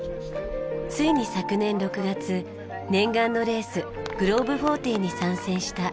ついに昨年６月念願のレースグローブ４０に参戦したミライ号。